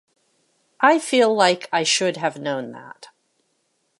I feel like I should have known that.